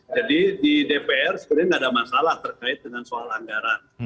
jadi di dpr sebenarnya tidak ada masalah terkait dengan soal anggaran